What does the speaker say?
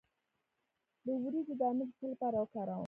د وریجو دانه د څه لپاره وکاروم؟